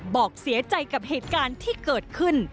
บอกเสียใจกับเหตุการณ์ที่เกิดขึ้น